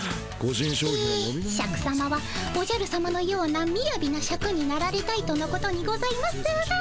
えシャクさまはおじゃるさまのようなみやびなシャクになられたいとのことにございますが。